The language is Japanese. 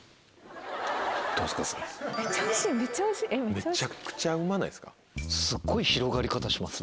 めちゃくちゃうまないですか。